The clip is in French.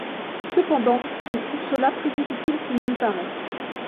Cependant, elle trouve cela plus difficile qu'il n'y paraît.